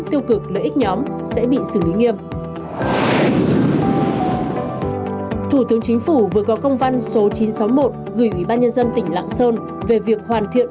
thủ tướng chính phủ vừa có công văn số chín trăm sáu mươi một gửi ủy ban nhân dân tỉnh lạng sơn về việc hoàn thiện